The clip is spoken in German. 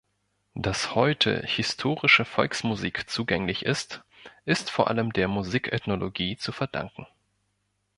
Dass heute historische Volksmusik zugänglich ist, ist vor allem der Musikethnologie zu verdanken.